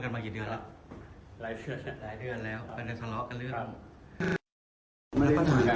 ไม่ได้คุยกัน